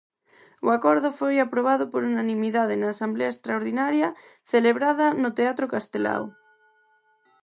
O acordo foi aprobado por unanimidade na asemblea extraordinaria celebrada no Teatro Castelao.